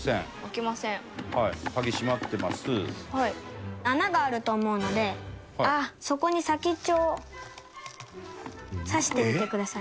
環子ちゃん：穴があると思うのでそこに先っちょを挿してみてください。